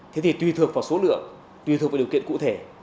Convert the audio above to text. thế thì tùy thuộc vào số lượng tùy thuộc vào điều kiện cụ thể